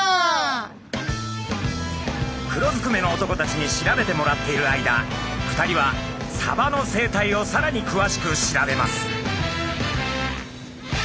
黒ずくめの男たちに調べてもらっている間２人はサバの生態をさらにくわしく調べます。